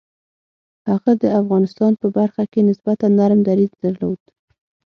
هغه د افغانستان په برخه کې نسبتاً نرم دریځ درلود.